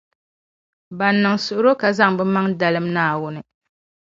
Ban niŋ suɣulo ka zaŋ bɛ maŋa n-dalim Naawuni.